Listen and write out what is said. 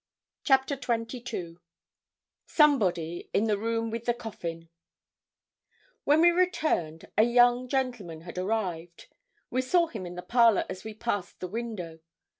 CHAPTER XXII SOMEBODY IN THE ROOM WITH THE COFFIN When we returned, a 'young' gentleman had arrived. We saw him in the parlour as we passed the window.